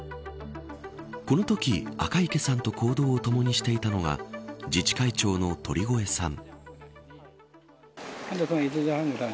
このとき赤池さんと行動を共にしていたのが自治会長の鳥越さん。